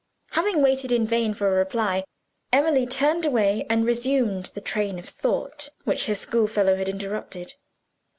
Having waited in vain for a reply, Emily turned away, and resumed the train of thought which her schoolfellow had interrupted.